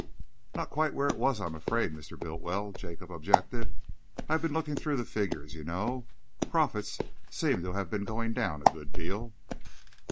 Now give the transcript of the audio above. "Not quite where it was, I am afraid, Mr. Bultiwell," Jacob objected. "I've been looking through the figures, you know. Profits seem to have been going down a good deal."